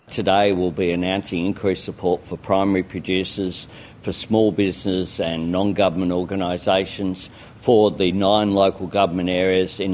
mereka ingin orang orang untuk terus datang ke kawasan